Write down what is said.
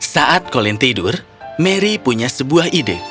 saat colin tidur mary punya sebuah ide